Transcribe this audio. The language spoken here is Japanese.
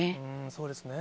そうですね。